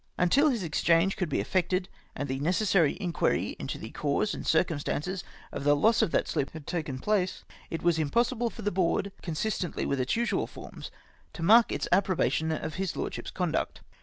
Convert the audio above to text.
143 " Until his exchange could be effected, and the necessary inquiry into the cause and circumstances of the loss of tliat sloop had taken place, it was impossible for the Board, con sistently with its usual forms, to mark its approbation of his Lordship's conduct.